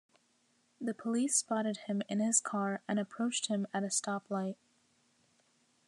The police spotted him in his car and approached him at a stop light.